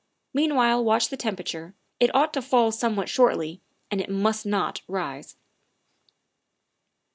Meanwhile watch the temperature; it ought to fall somewhat shortly, and it must not rise.